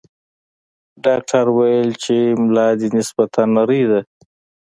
ډاکټر ویل چې ملا دې نسبتاً نرۍ ده.